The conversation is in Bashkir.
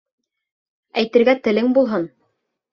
Әйтергә телең булһын.